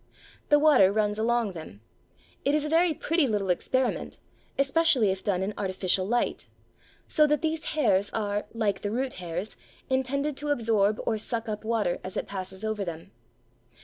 The water runs along them. It is a very pretty little experiment, especially if done in artificial light, so that these hairs are, like the root hairs, intended to absorb or suck up water as it passes over them.